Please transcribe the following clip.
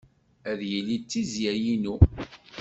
Ad yili d tizzya-inu.